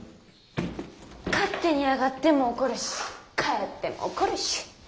勝手に上がっても怒るし帰っても怒るし。